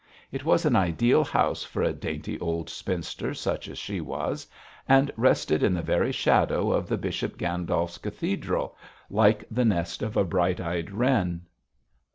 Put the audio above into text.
It was an ideal house for a dainty old spinster such as she was, and rested in the very shadow of the Bishop Gandolf's cathedral like the nest of a bright eyed wren.